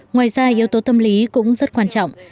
ngoài ra yếu tố tâm lý cũng rất quan trọng